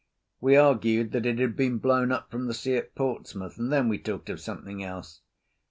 We argued that it had been blown up from the sea at Portsmouth, and then we talked of something else.